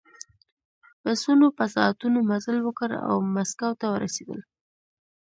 بسونو په ساعتونو مزل وکړ او مسکو ته ورسېدل